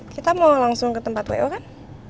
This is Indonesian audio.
kita mau langsung ke tempat wo kan